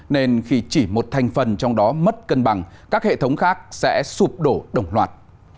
nên khi chỉ một thành phần trong đó mất cân bằng các hệ thống khác sẽ sụp đổ đồng loạt